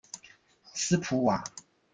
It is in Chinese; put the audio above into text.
斯普瓦。